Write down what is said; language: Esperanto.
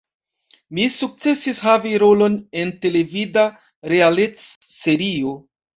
Mi sukcesis havi rolon en televida realec-serio.